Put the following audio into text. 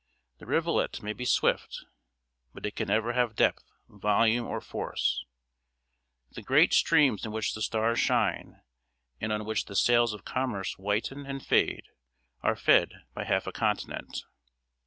The rivulet may be swift, but it can never have depth, volume, or force. The great streams in which the stars shine and on which the sails of commerce whiten and fade are fed by half a continent.